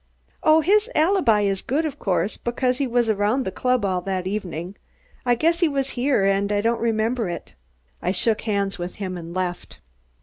"Oh, his alibi is good of course, because he was around the club all that evening. I guess he was here and I don't remember it." I shook hands with him and left.